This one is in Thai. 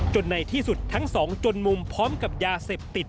ในที่สุดทั้งสองจนมุมพร้อมกับยาเสพติด